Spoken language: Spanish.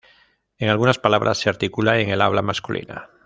En algunas palabras se articula en el habla masculina.